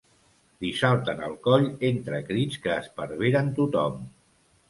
Li salten al coll entre crits que esparveren tothom.